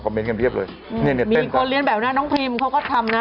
คอมเมนต์กันเรียบเลยนี่เนี่ยเต้นค่ะมีคนเรียนแบบนั้นน้องพรีมเขาก็ทำนะ